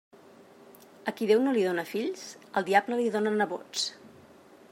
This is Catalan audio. A qui Déu no li dóna fills, el diable li dóna nebots.